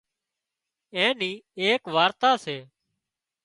اين نِِي ايڪ وارتا سي